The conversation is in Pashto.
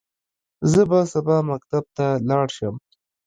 زه به سبا مکتب ته لاړ شم.